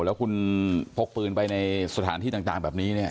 แล้วคุณพกปืนไปในสถานที่ต่างแบบนี้เนี่ย